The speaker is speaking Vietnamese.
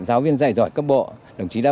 giáo viên dạy giỏi cấp bộ đồng chí đã